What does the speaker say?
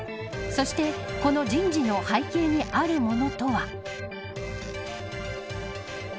そして、この人事の背景にあるものとは。